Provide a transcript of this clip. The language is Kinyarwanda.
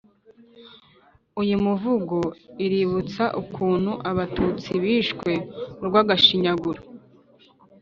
uyu muvugo uributsa ukuntu abatutsi bishwe urwagashinyaguro